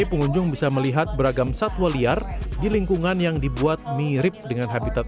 pengunjung bisa melihat beragam satwa liar di lingkungan yang dibuat mirip dengan habitat